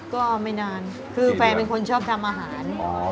ก็ไม่นานคือแฟนเป็นคนชอบทำอาหาร